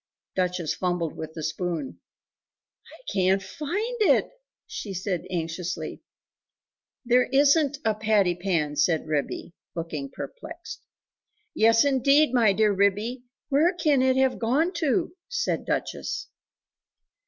Duchess fumbled with the spoon "I can't find it!" she said anxiously. "There isn't a patty pan," said Ribby, looking perplexed. "Yes, indeed, my dear Ribby; where can it have gone to?" said Duchess.